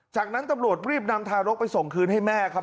จากนั้นตำรวจรีบนำทารกไปส่งคืนให้แม่ครับ